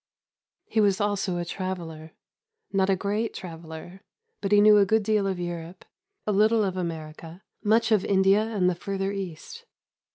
He was also a traveller not a great traveller, but he knew a good deal of Europe, a little of America, much of India and the further East.